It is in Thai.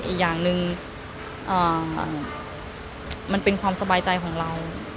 อีกอย่างหนึ่งมันเป็นความสบายใจของเรา